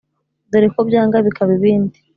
dore ko byanga bikaba ibindi